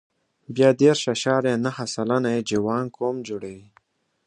بیا دېرش اعشاریه نهه سلنه یې جوانګ قوم جوړوي.